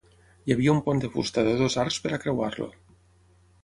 Hi havia un pont de fusta de dos arcs per a creuar-lo.